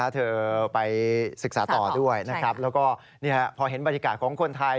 เธอไปศึกษาต่อด้วยนะครับแล้วก็พอเห็นบรรยากาศของคนไทย